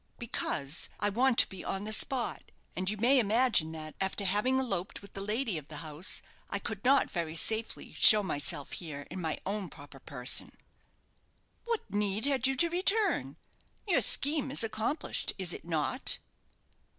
"Because I want to be on the spot; and you may imagine that, after having eloped with the lady of the house, I could not very safely show myself here in my own proper person." "What need had you to return? Your scheme is accomplished, is it not?"